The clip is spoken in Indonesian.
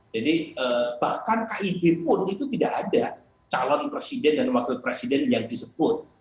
jadi bahkan kib pun itu tidak ada calon presiden dan wakil presiden yang disebut